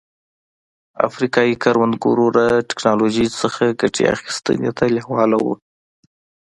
افریقايي کروندګر له ټکنالوژۍ څخه ګټې اخیستنې ته لېواله وو.